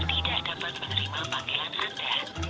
tidak dapat menerima pakaian anda